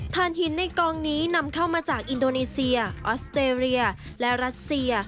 ฐานหินในกองนี้นำเข้ามาจากอินโดนีเซียออสเตรเลียและรัสเซีย